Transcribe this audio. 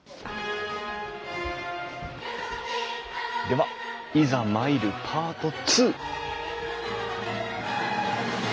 ではいざ参るパート２！